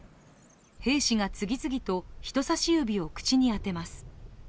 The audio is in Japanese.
兵士が次々と人さし指を口に当てます。